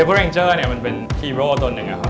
เวเวอร์เรนเจอร์เนี่ยมันเป็นฮีโร่ตนหนึ่งนะครับ